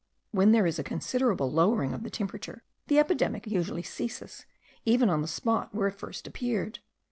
When there is a considerable lowering of the temperature, the epidemic usually ceases, even on the spot where it first appeared.